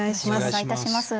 お願いいたします。